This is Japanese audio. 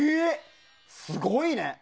すごいね。